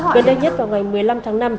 gần đây nhất vào ngày một mươi năm tháng năm